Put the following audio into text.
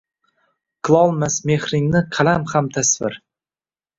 Qilolmas mexringni qalam xam tasvir